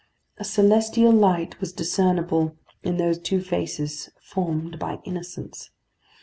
A celestial light was discernible in those two faces formed by innocence.